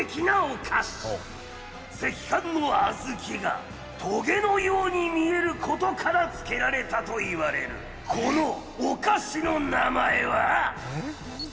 赤飯の小豆がトゲのように見える事から付けられたといわれるこのお菓子の名前は？